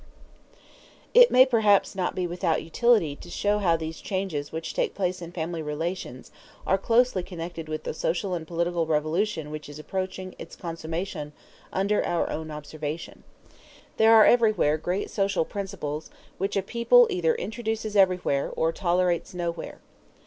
] It may perhaps not be without utility to show how these changes which take place in family relations, are closely connected with the social and political revolution which is approaching its consummation under our own observation. There are certain great social principles, which a people either introduces everywhere, or tolerates nowhere.